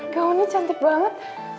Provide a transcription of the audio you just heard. gaunnya cantik banget